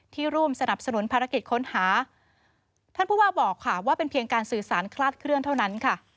ร่วมสนับสนุนภารกิจค้นหาท่านผู้ว่าบอกค่ะว่าเป็นเพียงการสื่อสารคลาดเคลื่อนเท่านั้นค่ะ